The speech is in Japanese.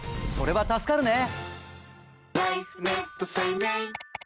それは助かるね！